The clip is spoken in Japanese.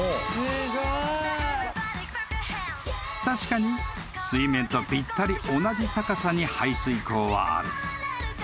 ［確かに水面とぴったり同じ高さに排水口はある］